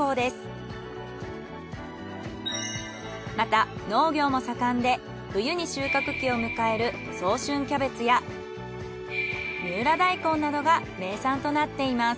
また農業も盛んで冬に収穫期を迎える早春キャベツや三浦大根などが名産となっています。